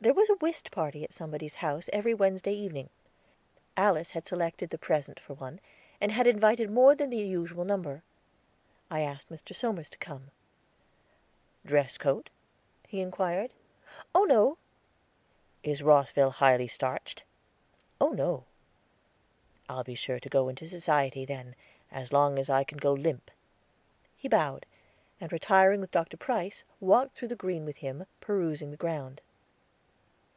There was a whist party at somebody's house every Wednesday evening. Alice had selected the present for one, and had invited more than the usual number. I asked Mr. Somers to come. "Dress coat?" he inquired. "Oh, no." "Is Rosville highly starched?" "Oh, no." "I'll be sure to go into society, then, as long as I can go limp." He bowed, and, retiring with Dr. Price, walked through the green with him, perusing the ground.